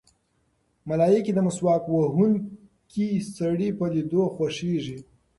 ملایکې د مسواک وهونکي سړي په لیدو خوښېږي.